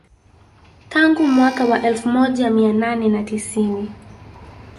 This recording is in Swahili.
Tangu mwaka wa elfu moja mia nane na tisini